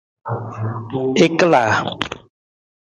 I kalaa.